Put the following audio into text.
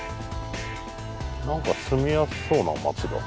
何か住みやすそうな町だ。